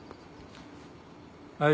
はい。